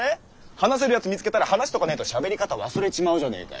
話せるやつ見つけたら話しとかねーと喋り方忘れちまうじゃねえかよォ。